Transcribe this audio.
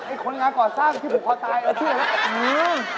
ไอ้คนงานก่อสร้างที่ผูกคอตายที่อะไรนะ